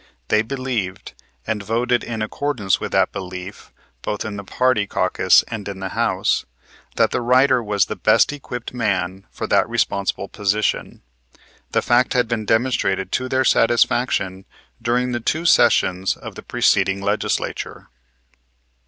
They believed, and voted in accordance with that belief both in the party caucus and in the House, that the writer was the best equipped man for that responsible position. This fact had been demonstrated to their satisfaction during the two sessions of the preceding Legislature.